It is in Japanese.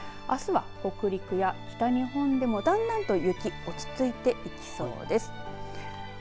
あすは北陸や北日本でもだんだんと雪落ち着いていきそうです。